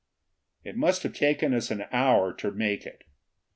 It must have taken us an hour to make it.